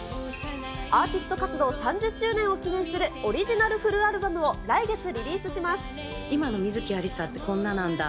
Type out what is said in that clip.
アーティスト活動３０周年を記念するオリジナルフルアルバムを来今の観月ありさってこんななんだ。